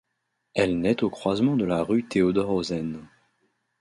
Elle naît au croisement de la rue Théodore-Ozenne.